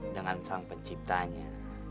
dengan sang penciptanya